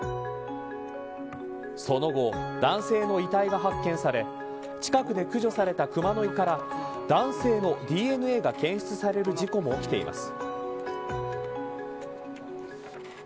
その後、男性の遺体が発見され近くで駆除されたクマの胃から男性のＤＮＡが検出される事故も起きています。